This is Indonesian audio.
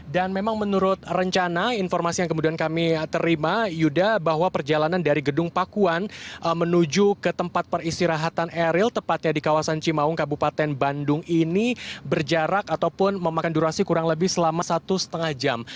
memang menurut rencana informasi yang kemudian kami terima yuda bahwa perjalanan dari gedung pakuan menuju ke tempat peristirahatan eril tepatnya di kawasan cimaung kabupaten bandung ini berjarak ataupun memakan durasi kurang lebih selama satu lima jam